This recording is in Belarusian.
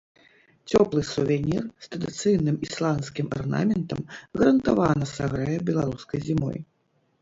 Цёплы сувенір з традыцыйным ісландскім арнаментам гарантавана сагрэе беларускай зімой.